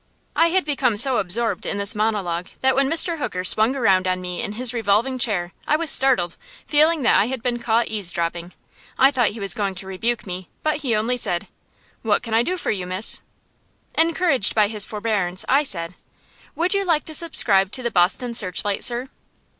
I had become so absorbed in this monologue that when Mr. Hooker swung around on me in his revolving chair I was startled, feeling that I had been caught eavesdropping. I thought he was going to rebuke me, but he only said, "What can I do for you, Miss?" Encouraged by his forbearance, I said: "Would you like to subscribe to the 'Boston Searchlight,' sir?"